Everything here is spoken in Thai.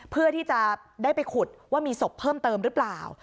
เพื่อที่จะได้ไปขุดว่ามีศพเพิ่มเติมหรือเปล่า